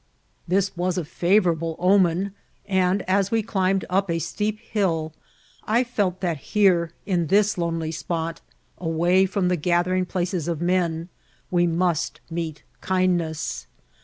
This was a frtvourable omen ; and, as we climbed up a steep hill, I felt that here, in this lonely spot, away from the gathering places of men, we must meet kindness.